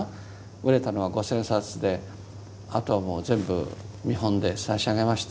売れたのは５，０００冊であとはもう全部見本で差し上げました。